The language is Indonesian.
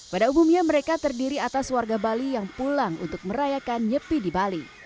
pada umumnya mereka terdiri atas warga bali yang pulang untuk merayakan nyepi di bali